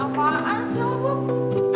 apaan sih lo bu